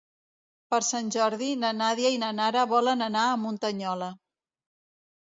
Per Sant Jordi na Nàdia i na Nara volen anar a Muntanyola.